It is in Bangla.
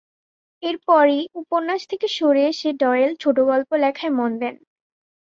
এরপরই উপন্যাস থেকে সরে এসে ডয়েল ছোটোগল্প লেখায় মন দেন।